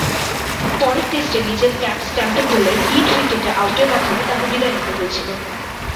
পরের টেস্টে নিজের ক্যাপ স্ট্যাম্পে পড়লে হিট উইকেটে আউটের মাধ্যমে তাকে বিদায় নিতে হয়েছিল।